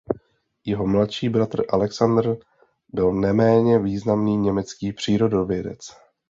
Jeho mladší bratr Alexander byl neméně významný německý přírodovědec.